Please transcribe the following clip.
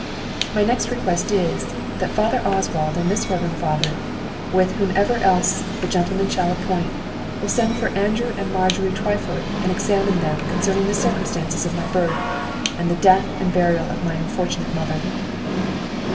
"My next request is, that Father Oswald and this reverend father, with whoever else the gentlemen shall appoint, will send for Andrew and Margery Twyford, and examine them concerning the circumstances of my birth, and the death and burial of my unfortunate mother."